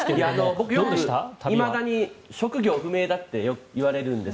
僕、いまだに職業不明だってよく言われるんです。